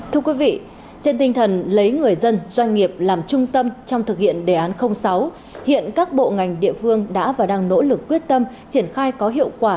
thưa quý vị trên tinh thần lấy người dân doanh nghiệp làm trung tâm trong thực hiện đề án sáu hiện các bộ ngành địa phương đã và đang nỗ lực quyết tâm triển khai có hiệu quả